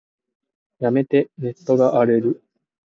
やめて、ネットが荒れる。